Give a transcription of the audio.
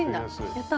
やった。